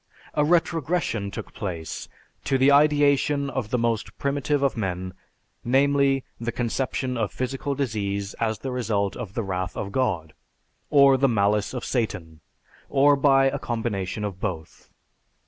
A retrogression took place to the ideation of the most primitive of men, namely, the conception of physical disease as the result of the wrath of God, or the malice of Satan, or by a combination of both.